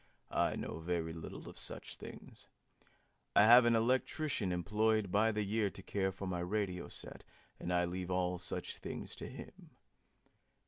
I know very little of such things. I have an electrician employed by the year to care for my radio set and I leave all such things to him.